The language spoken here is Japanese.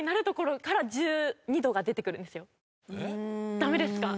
ダメですか？